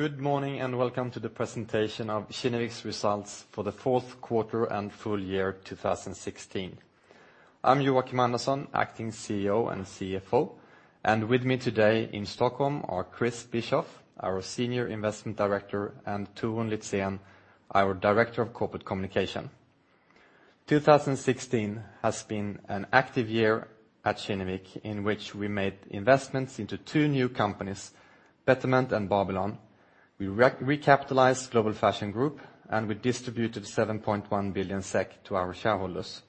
Good morning, welcome to the presentation of Kinnevik's results for the fourth quarter and full year 2016. I am Joakim Andersson, Acting CEO and CFO, with me today in Stockholm are Chris Bischoff, our Senior Investment Director, and Torun Litzén, our Director Corporate Communication. 2016 has been an active year at Kinnevik, in which we made investments into two new companies, Betterment and Babylon. We recapitalized Global Fashion Group, we distributed 7.1 billion SEK to our shareholders.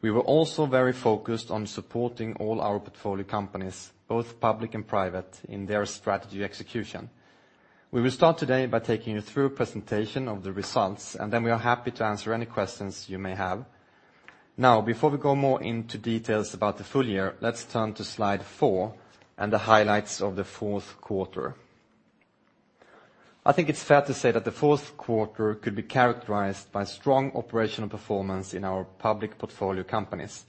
We were also very focused on supporting all our portfolio companies, both public and private, in their strategy execution. We will start today by taking you through a presentation of the results, then we are happy to answer any questions you may have. Before we go more into details about the full year, let's turn to slide four and the highlights of the fourth quarter. I think it's fair to say that the fourth quarter could be characterized by strong operational performance in our public portfolio companies,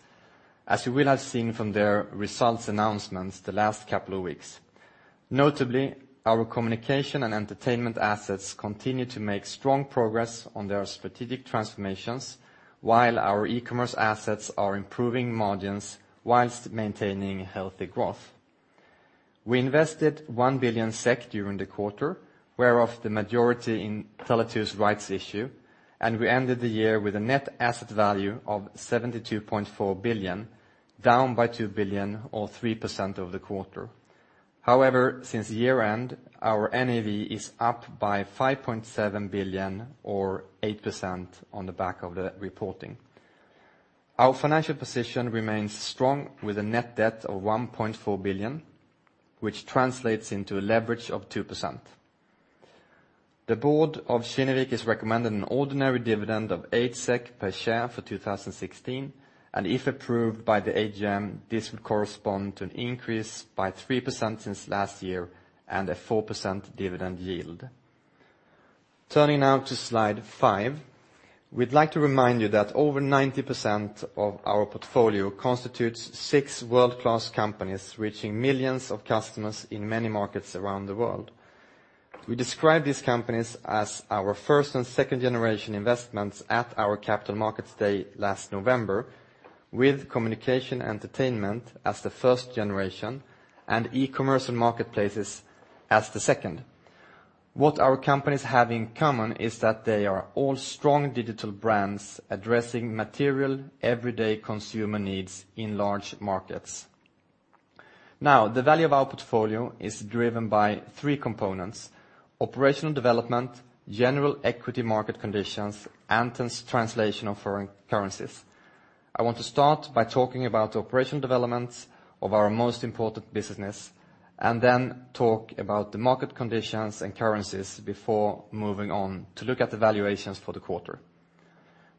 as you will have seen from their results announcements the last couple of weeks. Notably, our communication and entertainment assets continue to make strong progress on their strategic transformations, while our e-commerce assets are improving margins whilst maintaining healthy growth. We invested 1 billion SEK during the quarter, whereof the majority in Tele2's rights issue, we ended the year with a net asset value of 72.4 billion, down by 2 billion or 3% over the quarter. However, since year-end, our NAV is up by 5.7 billion or 8% on the back of the reporting. Our financial position remains strong with a net debt of 1.4 billion, which translates into a leverage of 2%. The board of Kinnevik has recommended an ordinary dividend of 8 SEK per share for 2016, if approved by the AGM, this would correspond to an increase by 3% since last year and a 4% dividend yield. Turning to slide five. We'd like to remind you that over 90% of our portfolio constitutes six world-class companies reaching millions of customers in many markets around the world. We describe these companies as our first and second generation investments at our Capital Markets Day last November, with communication entertainment as the first generation and e-commerce and marketplaces as the second. What our companies have in common is that they are all strong digital brands addressing material everyday consumer needs in large markets. The value of our portfolio is driven by three components: operational development, general equity market conditions, and translation of foreign currencies. I want to start by talking about the operational developments of our most important businesses, then talk about the market conditions and currencies before moving on to look at the valuations for the quarter.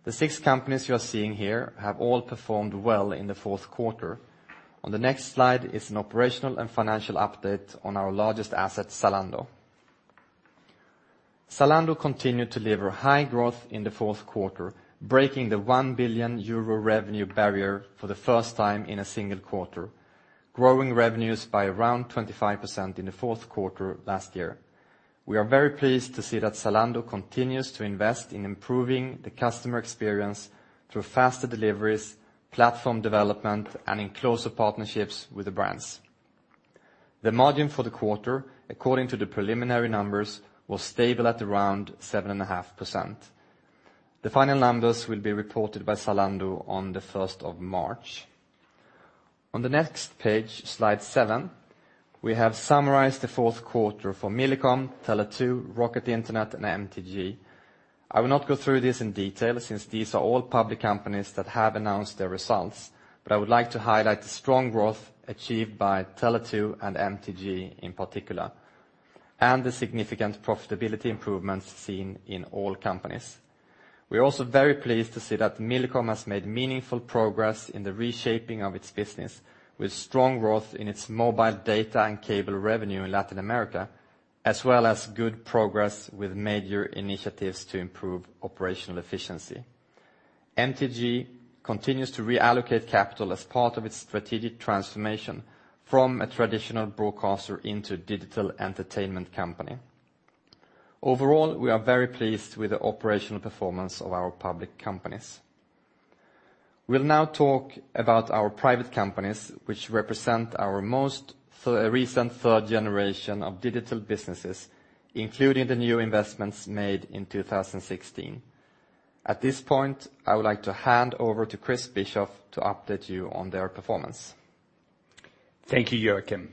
The six companies you are seeing here have all performed well in the fourth quarter. On the next slide is an operational and financial update on our largest asset, Zalando. Zalando continued to deliver high growth in the fourth quarter, breaking the 1 billion euro revenue barrier for the first time in a single quarter, growing revenues by around 25% in the fourth quarter last year. We are very pleased to see that Zalando continues to invest in improving the customer experience through faster deliveries, platform development, and in closer partnerships with the brands. The margin for the quarter, according to the preliminary numbers, was stable at around 7.5%. The final numbers will be reported by Zalando on the 1st of March. On the next page, slide seven, we have summarized the fourth quarter for Millicom, Tele2, Rocket Internet, and MTG. I will not go through this in detail since these are all public companies that have announced their results, but I would like to highlight the strong growth achieved by Tele2 and MTG in particular, and the significant profitability improvements seen in all companies. We are also very pleased to see that Millicom has made meaningful progress in the reshaping of its business, with strong growth in its mobile data and cable revenue in Latin America, as well as good progress with major initiatives to improve operational efficiency. MTG continues to reallocate capital as part of its strategic transformation from a traditional broadcaster into a digital entertainment company. Overall, we are very pleased with the operational performance of our public companies. We'll now talk about our private companies, which represent our most recent third generation of digital businesses, including the new investments made in 2016. At this point, I would like to hand over to Chris Bischoff to update you on their performance. Thank you, Joakim.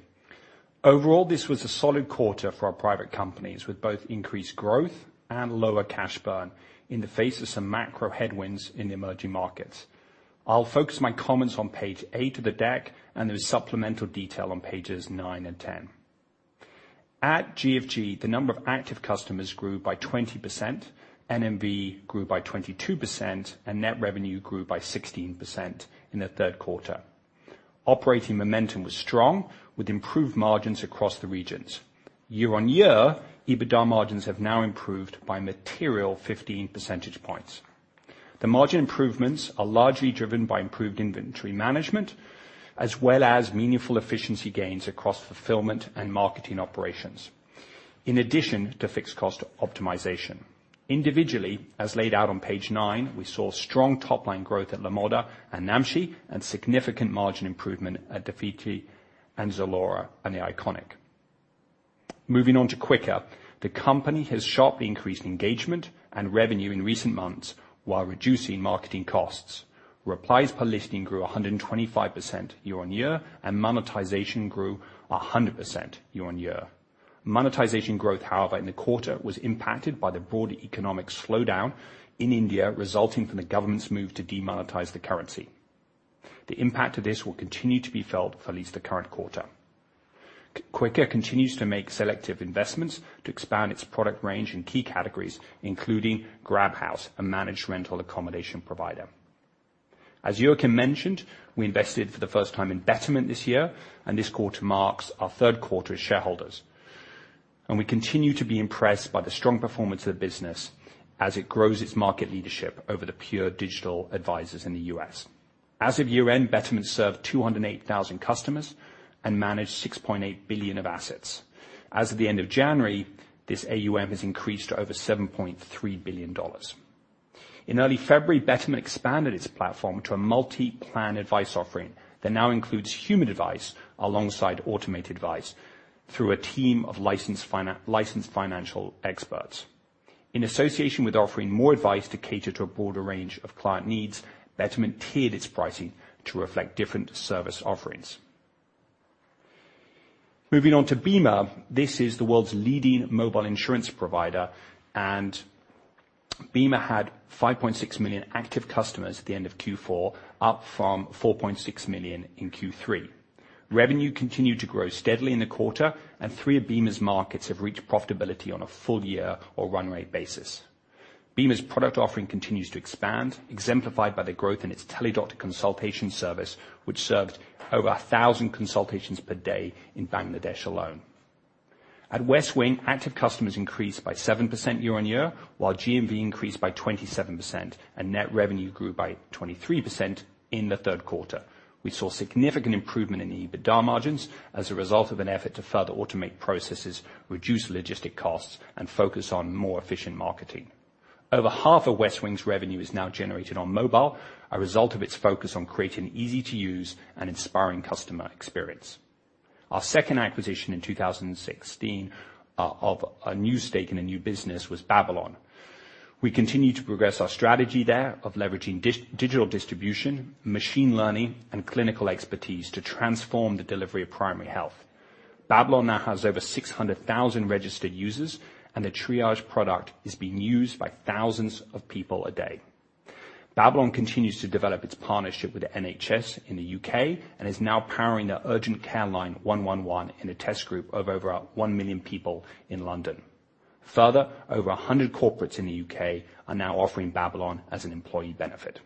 Overall, this was a solid quarter for our private companies, with both increased growth and lower cash burn in the face of some macro headwinds in the emerging markets. I'll focus my comments on page eight of the deck, and there's supplemental detail on pages nine and 10. At GFG, the number of active customers grew by 20%, NMV grew by 22%, and net revenue grew by 16% in the third quarter. Operating momentum was strong with improved margins across the regions. Year-on-year, EBITDA margins have now improved by a material 15 percentage points. The margin improvements are largely driven by improved inventory management, as well as meaningful efficiency gains across fulfillment and marketing operations, in addition to fixed cost optimization. Individually, as laid out on page nine, we saw strong top-line growth at Lamoda and Namshi, and significant margin improvement at Dafiti and Zalora and THE ICONIC. Moving on to Quikr. The company has sharply increased engagement and revenue in recent months while reducing marketing costs. Replies per listing grew 125% year-on-year, and monetization grew 100% year-on-year. Monetization growth, however, in the quarter was impacted by the broader economic slowdown in India, resulting from the government's move to demonetize the currency. The impact of this will continue to be felt for at least the current quarter. Quikr continues to make selective investments to expand its product range in key categories, including Grabhouse, a managed rental accommodation provider. As Joakim mentioned, we invested for the first time in Betterment this year, and this quarter marks our third quarter as shareholders. We continue to be impressed by the strong performance of the business as it grows its market leadership over the pure digital advisors in the U.S. As of year-end, Betterment served 208,000 customers and managed 6.8 billion of assets. As of the end of January, this AUM has increased to over SEK 7.3 billion. In early February, Betterment expanded its platform to a multi-plan advice offering that now includes human advice alongside automated advice through a team of licensed financial experts. In association with offering more advice to cater to a broader range of client needs, Betterment tiered its pricing to reflect different service offerings. Moving on to Bima. This is the world's leading mobile insurance provider, and Bima had 5.6 million active customers at the end of Q4, up from 4.6 million in Q3. Revenue continued to grow steadily in the quarter, and three of Bima's markets have reached profitability on a full year or run rate basis. Bima's product offering continues to expand, exemplified by the growth in its Teledoctor consultation service, which served over 1,000 consultations per day in Bangladesh alone. At Westwing, active customers increased by 7% year-on-year, while GMV increased by 27% and net revenue grew by 23% in the third quarter. We saw significant improvement in the EBITDA margins as a result of an effort to further automate processes, reduce logistic costs, and focus on more efficient marketing. Over half of Westwing's revenue is now generated on mobile, a result of its focus on creating easy-to-use and inspiring customer experience. Our second acquisition in 2016 of a new stake in a new business was Babylon. We continue to progress our strategy there of leveraging digital distribution, machine learning, and clinical expertise to transform the delivery of primary health. Babylon now has over 600,000 registered users, and the triage product is being used by thousands of people a day. Babylon continues to develop its partnership with the NHS in the U.K., and is now powering the urgent care line 111 in a test group of over one million people in London. Further, over 100 corporates in the U.K. are now offering Babylon as an employee benefit.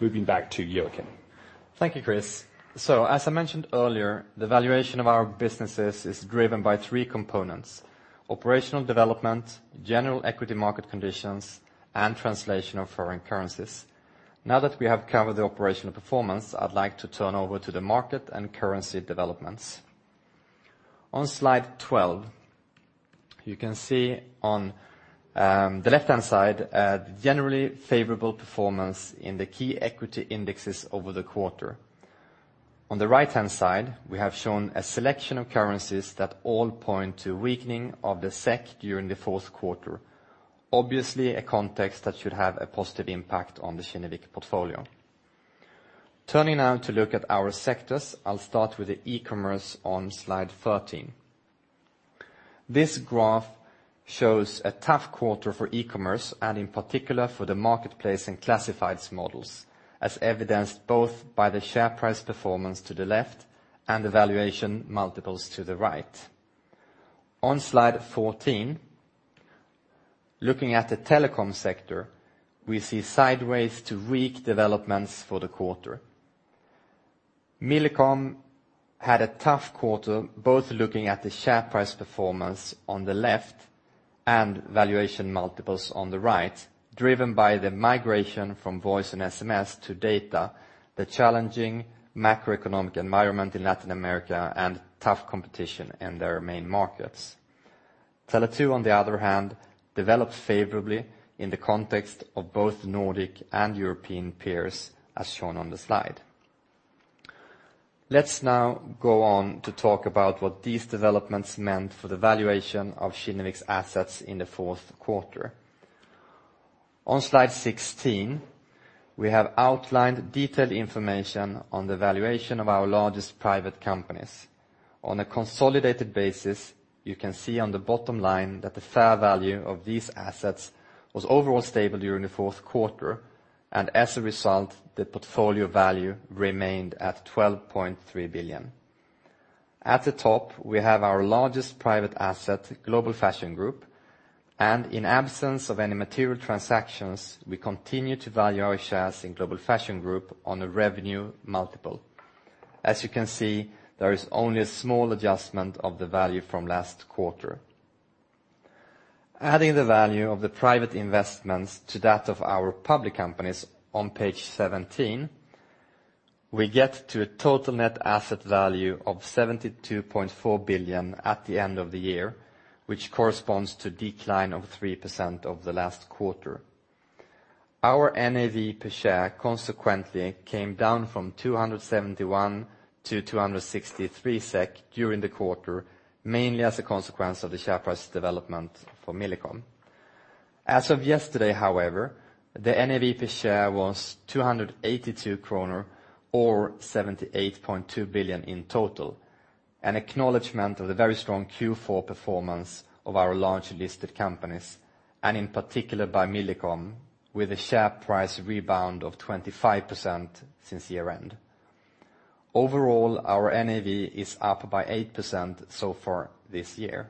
Moving back to Joakim. Thank you, Chris. As I mentioned earlier, the valuation of our businesses is driven by three components: operational development, general equity market conditions, and translation of foreign currencies. Now that we have covered the operational performance, I'd like to turn over to the market and currency developments. On slide 12, you can see on the left-hand side, a generally favorable performance in the key equity indexes over the quarter. On the right-hand side, we have shown a selection of currencies that all point to weakening of the SEK during the fourth quarter. Obviously, a context that should have a positive impact on the Kinnevik portfolio. Turning now to look at our sectors, I'll start with the e-commerce on slide 13. This graph shows a tough quarter for e-commerce, and in particular, for the marketplace and classifieds models, as evidenced both by the share price performance to the left and the valuation multiples to the right. On slide 14, looking at the telecom sector, we see sideways to weak developments for the quarter. Millicom had a tough quarter, both looking at the share price performance on the left and valuation multiples on the right, driven by the migration from voice and SMS to data, the challenging macroeconomic environment in Latin America, and tough competition in their main markets. Tele2, on the other hand, developed favorably in the context of both Nordic and European peers, as shown on the slide. Let's now go on to talk about what these developments meant for the valuation of Kinnevik's assets in the fourth quarter. On slide 16, we have outlined detailed information on the valuation of our largest private companies. On a consolidated basis, you can see on the bottom line that the fair value of these assets was overall stable during the fourth quarter, and as a result, the portfolio value remained at 12.3 billion. At the top, we have our largest private asset, Global Fashion Group, and in absence of any material transactions, we continue to value our shares in Global Fashion Group on a revenue multiple. As you can see, there is only a small adjustment of the value from last quarter. Adding the value of the private investments to that of our public companies on page 17, we get to a total net asset value of 72.4 billion at the end of the year, which corresponds to decline of 3% of the last quarter. Our NAV per share consequently came down from 271 to 263 SEK during the quarter, mainly as a consequence of the share price development for Millicom. As of yesterday, however, the NAV per share was 282 kronor or 78.2 billion in total, an acknowledgement of the very strong Q4 performance of our large listed companies, and in particular by Millicom, with a share price rebound of 25% since year-end. Overall, our NAV is up by 8% so far this year.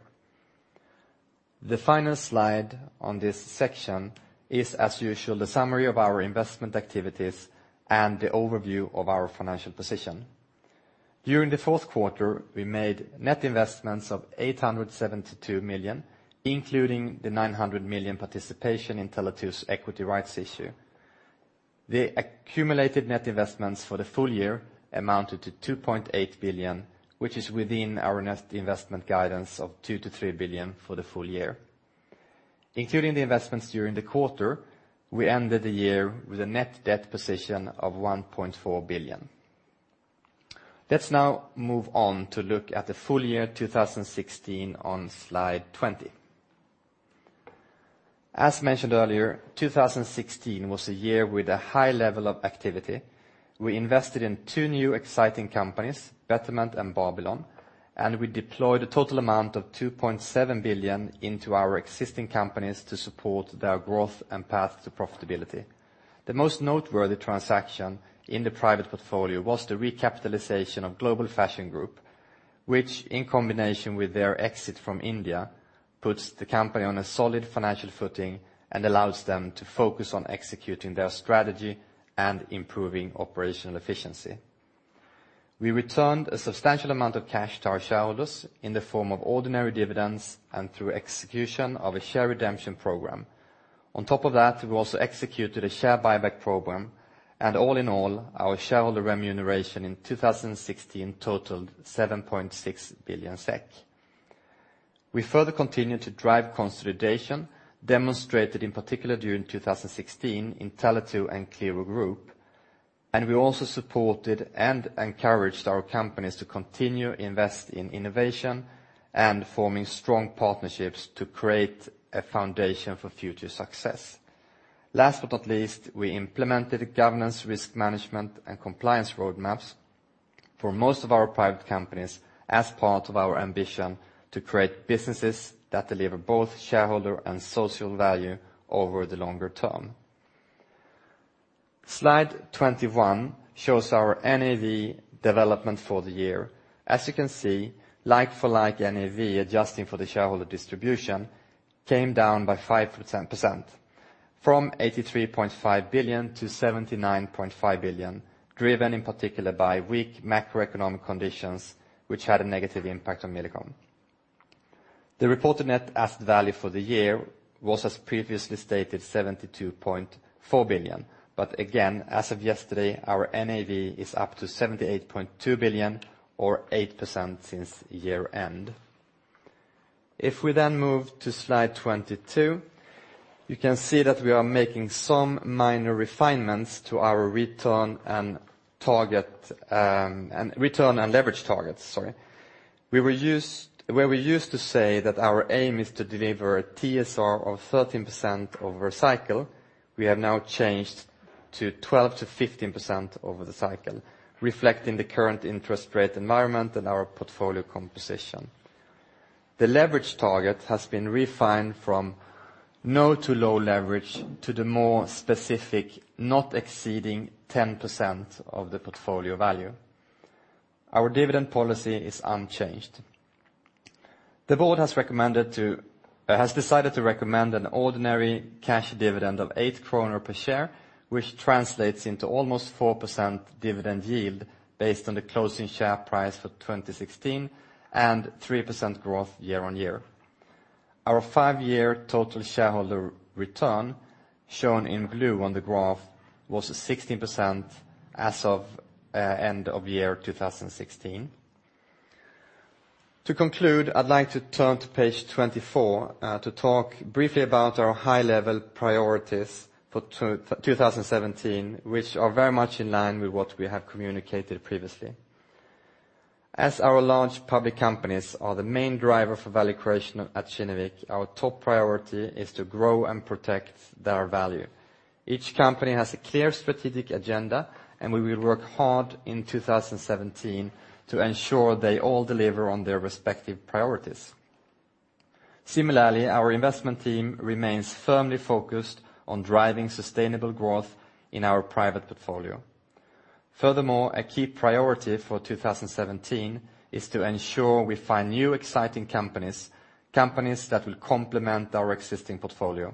The final slide on this section is, as usual, the summary of our investment activities and the overview of our financial position. During the fourth quarter, we made net investments of 872 million, including the 900 million participation in Tele2's equity rights issue. The accumulated net investments for the full year amounted to 2.8 billion, which is within our net investment guidance of 2 billion to 3 billion for the full year. Including the investments during the quarter, we ended the year with a net debt position of 1.4 billion. Let's now move on to look at the full year 2016 on slide 20. As mentioned earlier, 2016 was a year with a high level of activity. We invested in two new exciting companies, Betterment and Babylon, and we deployed a total amount of 2.7 billion into our existing companies to support their growth and path to profitability. The most noteworthy transaction in the private portfolio was the recapitalization of Global Fashion Group, which, in combination with their exit from India, puts the company on a solid financial footing and allows them to focus on executing their strategy and improving operational efficiency. We returned a substantial amount of cash to our shareholders in the form of ordinary dividends and through execution of a share redemption program. On top of that, we also executed a share buyback program, and all in all, our shareholder remuneration in 2016 totaled 7.6 billion SEK. We further continued to drive consolidation, demonstrated in particular during 2016 in Tele2 and Qliro Group, and we also supported and encouraged our companies to continue invest in innovation and forming strong partnerships to create a foundation for future success. Last but not least, we implemented governance risk management and compliance roadmaps for most of our private companies as part of our ambition to create businesses that deliver both shareholder and social value over the longer term. Slide 21 shows our NAV development for the year. As you can see, like for like NAV adjusting for the shareholder distribution came down by 5% from 83.5 billion to 79.5 billion, driven in particular by weak macroeconomic conditions which had a negative impact on Millicom. The reported net asset value for the year was, as previously stated, 72.4 billion, but again, as of yesterday, our NAV is up to 78.2 billion or 8% since year-end. If we then move to slide 22, you can see that we are making some minor refinements to our return and leverage targets. Where we used to say that our aim is to deliver a TSR of 13% over a cycle, we have now changed to 12%-15% over the cycle, reflecting the current interest rate environment and our portfolio composition. The leverage target has been refined from no to low leverage to the more specific, not exceeding 10% of the portfolio value. Our dividend policy is unchanged. The board has decided to recommend an ordinary cash dividend of 8 kronor per share, which translates into almost 4% dividend yield based on the closing share price for 2016 and 3% growth year-over-year. Our five-year total shareholder return, shown in blue on the graph, was 16% as of end of year 2016. To conclude, I'd like to turn to page 24 to talk briefly about our high-level priorities for 2017, which are very much in line with what we have communicated previously. As our large public companies are the main driver for value creation at Kinnevik, our top priority is to grow and protect their value. Each company has a clear strategic agenda, and we will work hard in 2017 to ensure they all deliver on their respective priorities. Similarly, our investment team remains firmly focused on driving sustainable growth in our private portfolio. Furthermore, a key priority for 2017 is to ensure we find new, exciting companies that will complement our existing portfolio.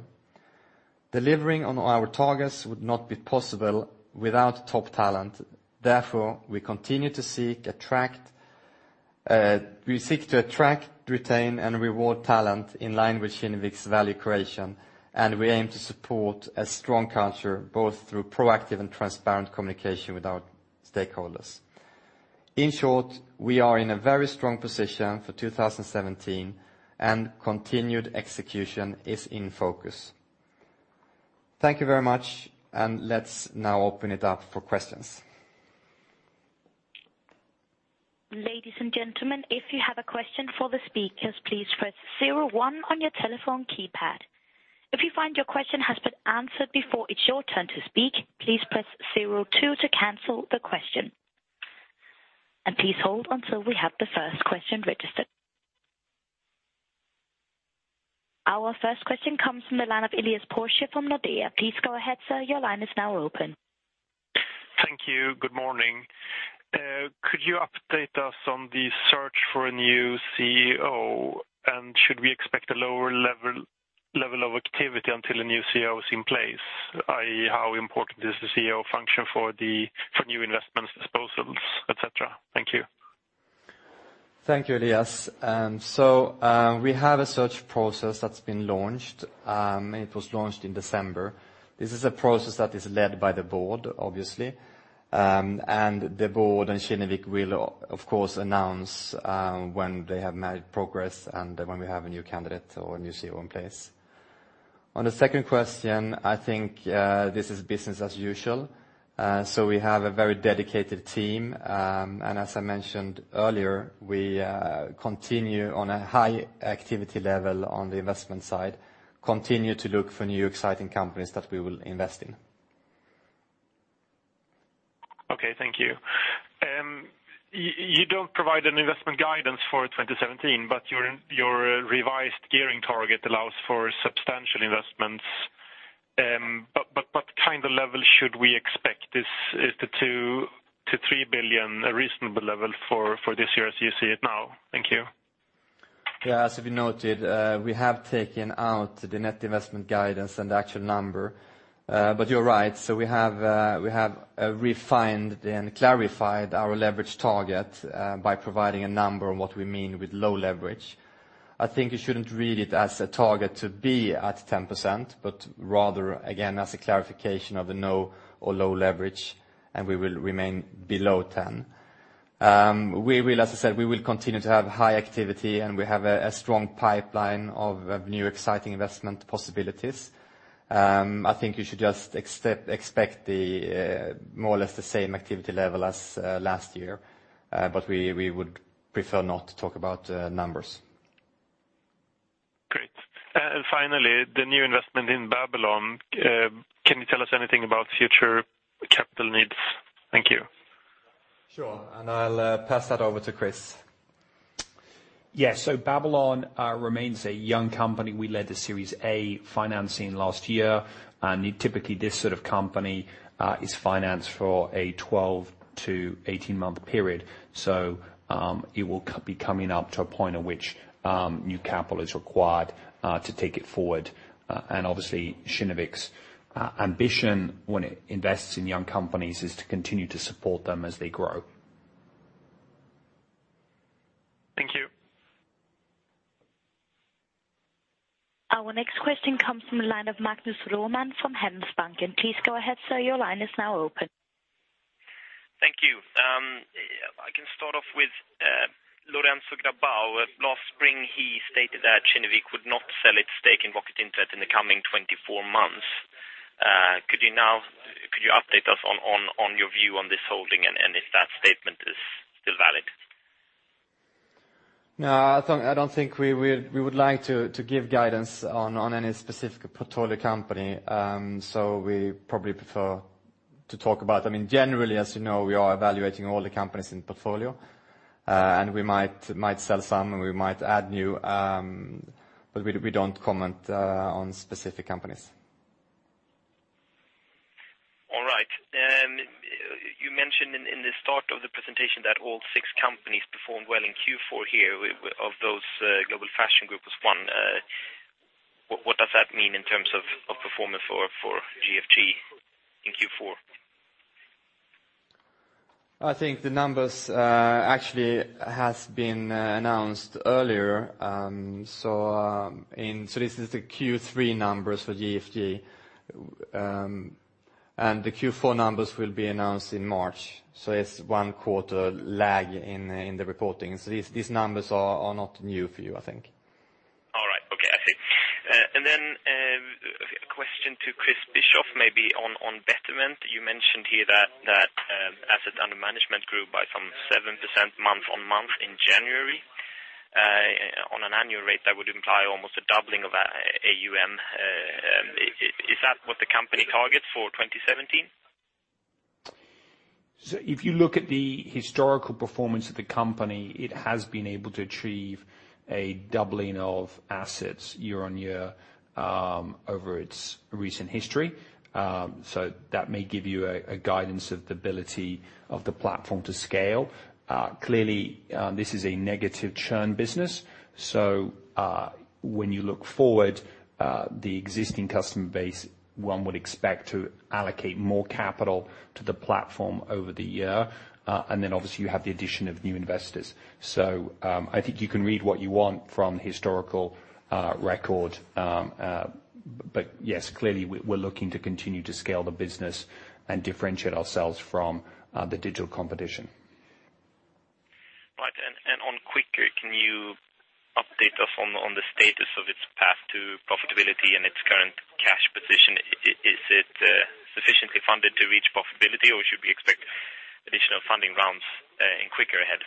Delivering on our targets would not be possible without top talent. Therefore, we continue to seek to attract, retain, and reward talent in line with Kinnevik's value creation, and we aim to support a strong culture, both through proactive and transparent communication with our stakeholders. In short, we are in a very strong position for 2017, and continued execution is in focus. Thank you very much, and let's now open it up for questions. Ladies and gentlemen, if you have a question for the speakers, please press 01 on your telephone keypad. If you find your question has been answered before it's your turn to speak, please press 02 to cancel the question. Please hold until we have the first question registered. Our first question comes from the line of Elias Porse from Nordea. Please go ahead, sir. Your line is now open. Thank you. Good morning. Could you update us on the search for a new CEO? Should we expect a lower level of activity until a new CEO is in place, i.e., how important is the CEO function for new investments, disposals, et cetera? Thank you. Thank you, Elias. We have a search process that's been launched. It was launched in December. This is a process that is led by the board, obviously. The board and Kinnevik will, of course, announce when they have made progress and when we have a new candidate or a new CEO in place. On the second question, I think this is business as usual. We have a very dedicated team, and as I mentioned earlier, we continue on a high activity level on the investment side, continue to look for new exciting companies that we will invest in. Okay. Thank you. You don't provide an investment guidance for 2017, but your revised gearing target allows for substantial investments. What kind of level should we expect? Is the 2 billion-3 billion a reasonable level for this year as you see it now? Thank you. As we noted, we have taken out the net investment guidance and the actual number. You're right, we have refined and clarified our leverage target by providing a number on what we mean with low leverage. I think you shouldn't read it as a target to be at 10%, rather, again, as a clarification of the no or low leverage, and we will remain below 10%. As I said, we will continue to have high activity, and we have a strong pipeline of new exciting investment possibilities. I think you should just expect more or less the same activity level as last year, we would prefer not to talk about numbers. Great. Finally, the new investment in Babylon. Can you tell us anything about future capital needs? Thank you. Sure. I'll pass that over to Chris. Babylon remains a young company. We led the Series A financing last year, typically this sort of company is financed for a 12 to 18-month period. It will be coming up to a point at which new capital is required to take it forward. Obviously, Kinnevik's ambition when it invests in young companies is to continue to support them as they grow. Thank you. Our next question comes from the line of Magnus Råman from Handelsbanken. Please go ahead, sir. Your line is now open. Thank you. I can start off with Lorenzo Grabau. Last spring, he stated that Kinnevik would not sell its stake in Rocket Internet in the coming 24 months. Could you update us on your view on this holding and if that statement is still valid? No, I don't think we would like to give guidance on any specific portfolio company. We probably prefer to talk about them in general. As you know, we are evaluating all the companies in portfolio, and we might sell some, and we might add new, but we don't comment on specific companies. All right. You mentioned in the start of the presentation that all six companies performed well in Q4 here. Of those, Global Fashion Group was one. What does that mean in terms of performance for GFG in Q4? I think the numbers actually have been announced earlier. This is the Q3 numbers for GFG, and the Q4 numbers will be announced in March. It's one quarter lag in the reporting. These numbers are not new for you, I think. All right. Okay. I see. A question to Chris Bischoff, maybe on Betterment. You mentioned here that assets under management grew by some 7% month-on-month in January. On an annual rate, that would imply almost a doubling of AUM. Is that what the company targets for 2017? If you look at the historical performance of the company, it has been able to achieve a doubling of assets year-on-year over its recent history. That may give you a guidance of the ability of the platform to scale. Clearly, this is a negative churn business, when you look forward, the existing customer base, one would expect to allocate more capital to the platform over the year, obviously you have the addition of new investors. I think you can read what you want from historical record. Yes, clearly we're looking to continue to scale the business and differentiate ourselves from the digital competition. Right. On Quikr, can you update us on the status of its path to profitability and its current cash position? Is it sufficiently funded to reach profitability or should we expect additional funding rounds in Quikr ahead?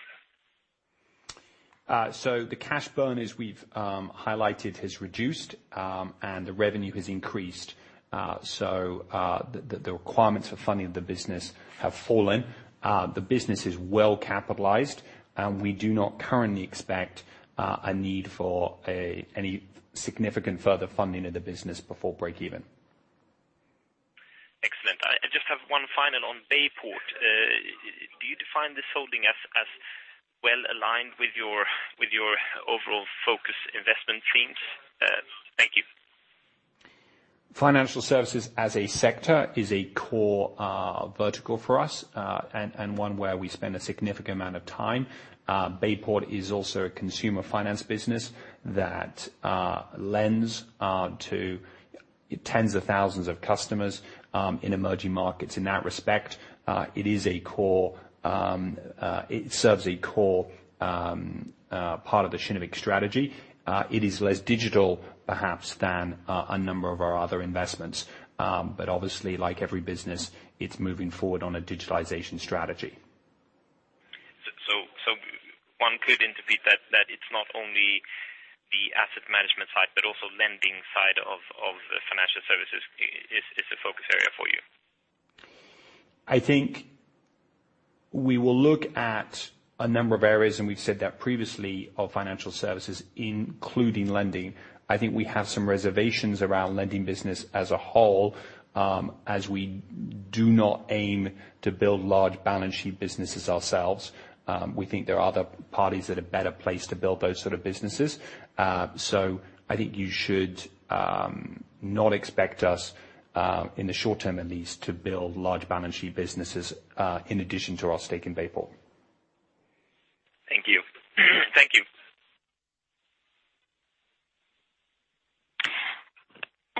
The cash burn as we've highlighted, has reduced, and the revenue has increased. The requirements for funding the business have fallen. The business is well capitalized, and we do not currently expect a need for any significant further funding of the business before breakeven. Excellent. I just have one final on Bayport. Do you define this holding as well-aligned with your overall focus investment themes? Thank you. Financial services as a sector is a core vertical for us, and one where we spend a significant amount of time. Bayport is also a consumer finance business that lends to tens of thousands of customers in emerging markets. In that respect, it serves a core part of the Kinnevik strategy. It is less digital perhaps than a number of our other investments. Obviously like every business, it's moving forward on a digitalization strategy. One could interpret that it's not only the asset management side, but also lending side of financial services is a focus area for you. I think we will look at a number of areas, and we've said that previously, of financial services, including lending. I think we have some reservations around lending business as a whole, as we do not aim to build large balance sheet businesses ourselves. We think there are other parties that are better placed to build those sort of businesses. I think you should not expect us, in the short term at least, to build large balance sheet businesses in addition to our stake in Bayport. Thank you. Thank you.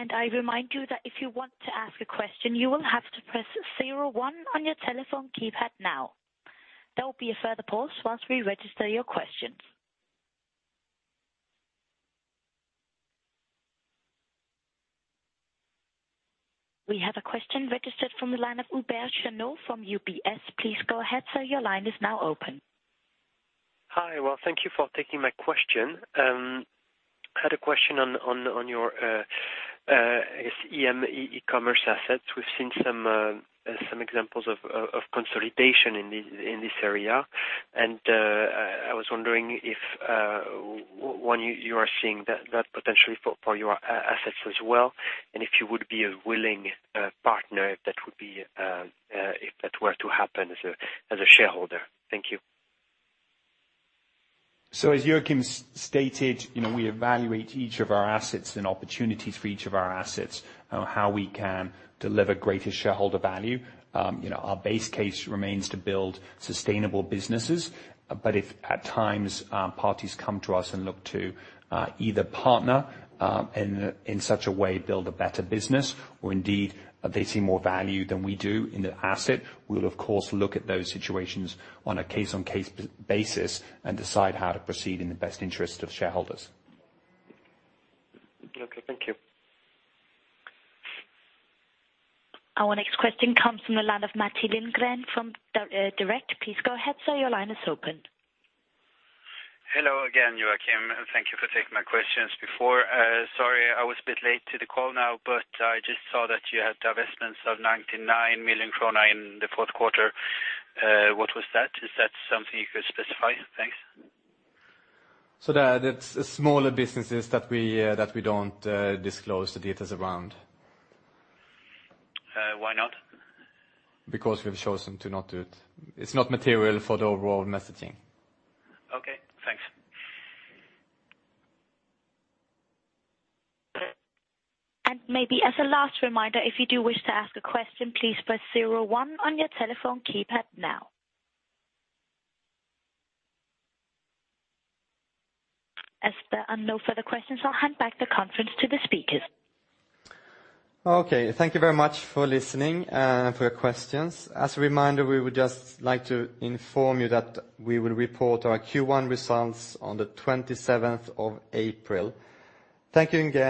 I remind you that if you want to ask a question, you will have to press zero one on your telephone keypad now. There will be a further pause whilst we register your questions. We have a question registered from the line of Hubert Chanot from UBS. Please go ahead, sir, your line is now open. Hi. Well, thank you for taking my question. I had a question on your e-commerce assets. We've seen some examples of consolidation in this area, and I was wondering if you are seeing that potentially for your assets as well, and if you would be a willing partner if that were to happen as a shareholder. Thank you. As Joakim stated, we evaluate each of our assets and opportunities for each of our assets on how we can deliver greater shareholder value. Our base case remains to build sustainable businesses. If at times, parties come to us and look to either partner, in such a way build a better business or indeed they see more value than we do in the asset, we'll of course look at those situations on a case-on-case basis and decide how to proceed in the best interest of shareholders. Okay, thank you. Our next question comes from the line of Matti Lindgren from Direkt. Please go ahead, sir. Your line is open. Hello again, Joakim, thank you for taking my questions before. Sorry I was a bit late to the call now, I just saw that you had divestments of 99 million krona in the fourth quarter. What was that? Is that something you could specify? Thanks. That's smaller businesses that we don't disclose the details around. Why not? Because we've chosen to not do it. It's not material for the overall messaging. Okay, thanks. Maybe as a last reminder, if you do wish to ask a question, please press zero one on your telephone keypad now. As there are no further questions, I'll hand back the conference to the speakers. Okay. Thank you very much for listening and for your questions. As a reminder, we would just like to inform you that we will report our Q1 results on the 27th of April. Thank you again.